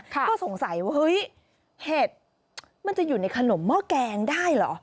ก็สงสัยว่าเฮ้ยเห็ดมันจะอยู่ในขนมหม้อแกงได้เหรอ